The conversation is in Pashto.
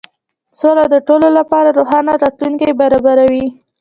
سوله د ټولو لپاره روښانه راتلونکی برابروي.